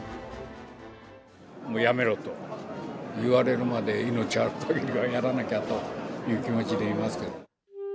やめろと言われるまで、命あるかぎりはやらなきゃという気持ちでいますけれども。